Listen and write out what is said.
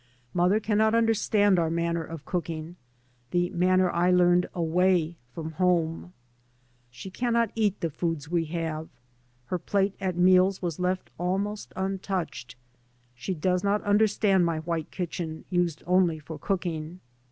Mother cannot understand our manner of cooking, the manner I learned away from home. She can not eat the foods we have; her plate at meals was left almost untouched. She does not un derstand my white kitchen, used only for cook ing.